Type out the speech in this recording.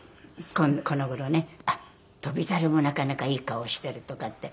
この頃ね「翔猿もなかなかいい顔してる」とかって。